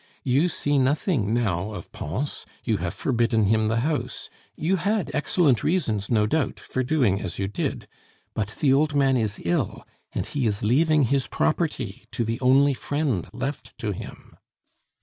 You see nothing now of Pons; you have forbidden him the house; you had excellent reasons, no doubt, for doing as you did, but the old man is ill, and he is leaving his property to the only friend left to him.